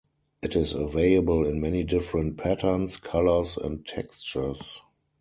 It is available in many different patterns, colors, and textures.